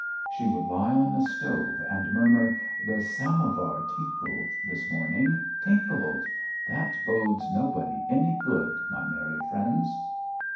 She would lie on the stove and murmur: "The samovar tinkled this morning. Tink led! That bodes nobody any good, my merry friends!"